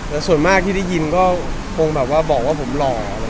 แต่ส่วนมากที่ได้ยินก็คงแบบว่าบอกว่าผมหล่อ